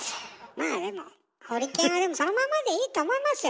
まあでもホリケンはでもそのままでいいと思いますよ